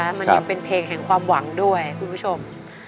มันยังเป็นเพลงแห่งความหวังด้วยคุณผู้ชม